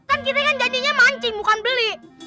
kan kita kan janjinya mancing bukan beli